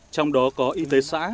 trong đó có y tế xã